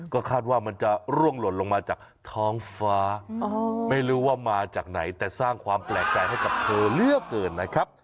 ก็คาดว่ามันจะร่วงหล่นลงมาจากท้องฟ้าไม่รู้ว่ามาจากไหนแต่สร้างความแปลกใจให้กับเธอเลือกเกินนะครับ